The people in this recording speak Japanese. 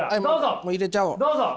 もう入れちゃおう。